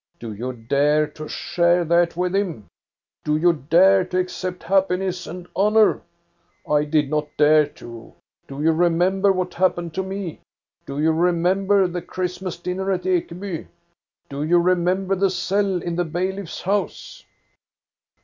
Do you dare to share that with him ? Do you dare to accept happiness and honor? I did not dare to. Do you remember what happened to me? 464 THE STORY OF GOSTA BE RUNG Do you remember the Christmas dinner at Ekeby? Do you remember the cell in the bailiff's house